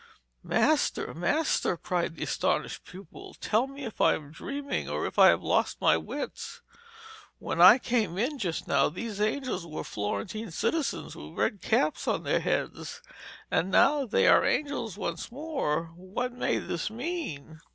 'Master, master,' cried the astonished pupil, 'tell me if I am dreaming, or if I have lost my wits? When I came in just now, these angels were Florentine citizens with red caps on their heads, and now they are angels once more. What may this mean?'